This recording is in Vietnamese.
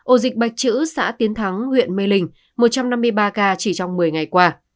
ổ dịch bạch chữ xã tiến thắng huyện mê linh một trăm năm mươi ba ca chỉ trong một mươi ngày qua